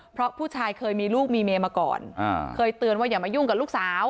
เพราะผู้ชายเคยมีลูกมีเมียมาก่อนเคยเตือนว่าอย่ามายุ่งกับลูกสาว